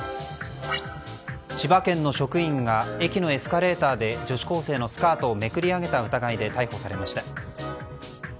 千葉県の職員が駅のエスカレーターで女子高生のスカートをめくり上げた疑いで逮捕されました。